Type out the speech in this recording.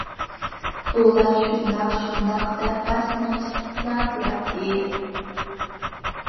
ئۇلار شۇنداق، . شۇنداق. دەپ باش لىڭشىتىپلا تۇراتتى.